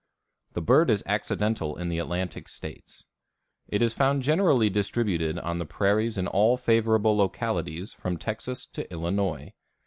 The bird is accidental in the Atlantic states. It is found generally distributed on the prairies in all favorable localities from Texas to Illinois.